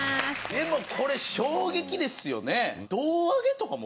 でもこれ衝撃ですよね。